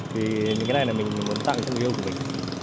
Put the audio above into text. thì cái này là mình muốn tặng cho người yêu của mình